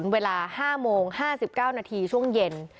เวลา๕โมง๕๙นาทีช่วงเย็น